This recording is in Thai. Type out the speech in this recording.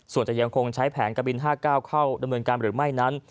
ส่วนจะยังคงใช้แผนกบิน๕๙เข้าดำเนินการหรือไม่นั้น